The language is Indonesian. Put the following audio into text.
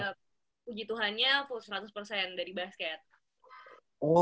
ya puji tuhannya full seratus dari basket